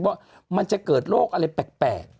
ว่ามันจะเกิดโรคอะไรแปลก